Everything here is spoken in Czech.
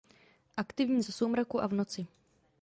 Aktivní za soumraku a v noci.